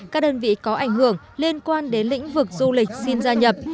các đơn vị có ảnh hưởng liên quan đến lĩnh vực du lịch xin gia nhập